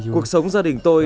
cuộc sống gia đình tôi